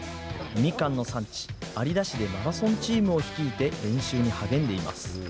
みかんの産地、有田市でマラソンチームを率いて練習に励んでいます。